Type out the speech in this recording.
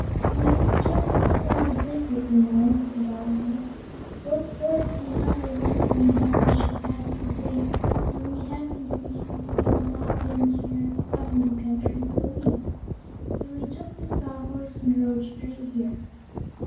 "We've just come on a visit, you know," said Ozma. "Both Dorothy and I were wondering how we should pass the day when we happened to think we'd not been to your Quadling Country for weeks, so we took the Sawhorse and rode straight here."